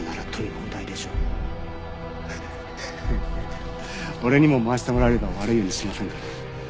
フフッ俺にも回してもらえれば悪いようにしませんから。